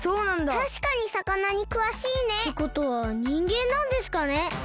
たしかにさかなにくわしいね。ってことはにんげんなんですかね。